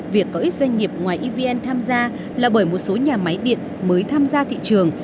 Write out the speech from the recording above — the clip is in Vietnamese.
việc có ít doanh nghiệp ngoài evn tham gia là bởi một số nhà máy điện mới tham gia thị trường